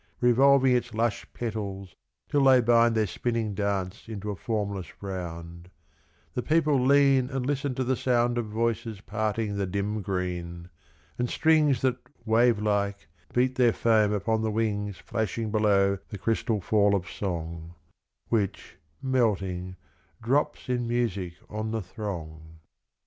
Revolving its lush petals till they bind Their spinning dance into a formless round, The people lean and listen to the sound Of voices parting the dim green, and strings That wave like beat their foam upon the wings Flashing below the crystal fall of song, Which, melting, drops in music on the throng.